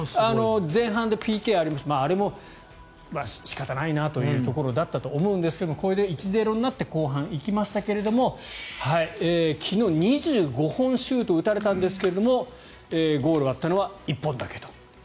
前半でＰＫがありましてあれも仕方ないなというところだったと思うんですがこれで１−０になって後半に行きましたが昨日、２５本シュートを打たれたんですがゴールを割ったのは１本だけ。